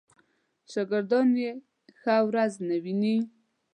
شاګردان یې ښه ورځ نه ویني.